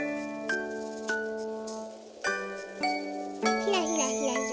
ひらひらひらひら。